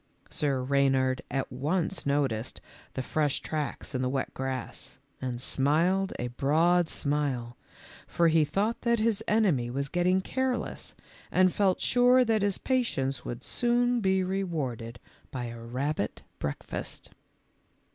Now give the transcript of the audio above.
Sir Reynard at once noticed the fresh tracks in the wet grass, and smiled a broad smile, for he thought that his enemy was getting careless and felt sure that his patience would soon be rewarded by a rabbit breakfast.